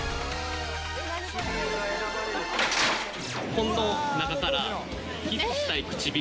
この中からキスしたい唇。